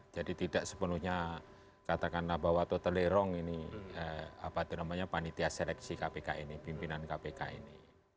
jadi tidak sepenuhnya katakanlah bahwa atau telerong ini panitia seleksi kpk ini pimpinan kpk ini